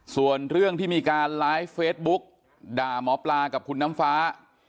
ส่วนเรื่องที่มีการไลฟ์เฟซบุ๊กด่าหมอปลากับคุณน้ำฟ้า